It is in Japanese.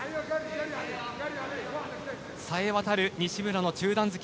冴え渡る西村の中段突き。